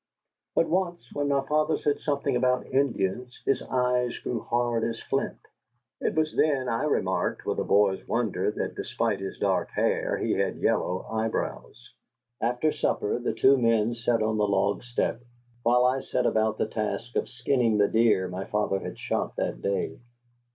But once, when my father said something about Indians, the eyes grew hard as flint. It was then I remarked, with a boy's wonder, that despite his dark hair he had yellow eyebrows. After supper the two men sat on the log step, while I set about the task of skinning the deer my father had shot that day.